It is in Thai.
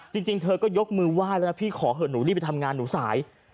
จริงเธอก็ยกมือไหว้แล้วนะพี่ขอเถอะหนูรีบไปทำงานหนูสาย